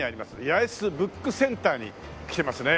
八重洲ブックセンターに来てますね。